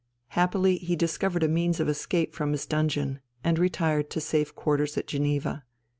Happily he discovered a means of escape from his dungeon, and retired to safe quarters at Geneva.